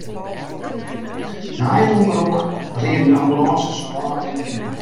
Nei it ûngelok rieden de ambulânsen ôf en oan.